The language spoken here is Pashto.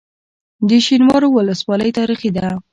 د شینوارو ولسوالۍ تاریخي ده